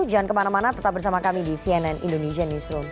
jangan kemana mana tetap bersama kami di cnn indonesian newsroom